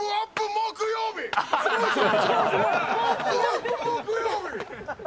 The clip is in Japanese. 木曜日。